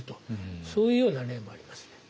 そういうような例もありますね。